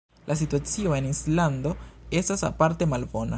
La situacio en Islando estas aparte malbona.